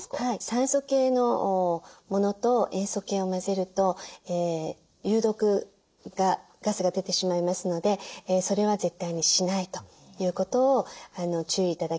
酸性系のものと塩素系を混ぜると有毒ガスが出てしまいますのでそれは絶対にしないということを注意頂きたいなと思います。